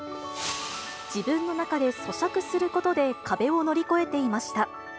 自分の中でそしゃくすることで壁を乗り越えていました。